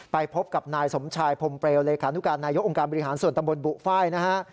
ไปพบกับนายสมชายพรมเปลวเลขานุการนายกองค์การบริหารส่วนตำบลบุฟ้ายนะฮะ